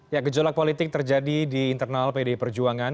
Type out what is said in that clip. ya gejolak politik terjadi di internal pdi perjuangan